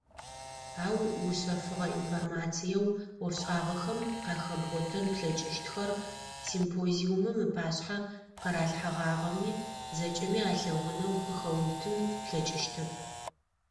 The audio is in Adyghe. Ау, ушъэфыгъэ информациеу ӏофшӏагъэхэм къахэбгъотэн плъэкӏыщтхэр, симпозиумым ыпашъхьэ къыралъхьэгъагъэми, зэкӏэми алъэгъунэу къыхэуутын плъэкӏыщтэп.